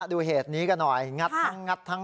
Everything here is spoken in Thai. ดูเหตุนี้กันหน่อย